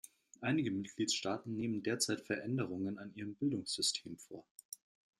Einige Mitgliedstaaten nehmen derzeit Veränderungen an ihrem Bildungssystem vor.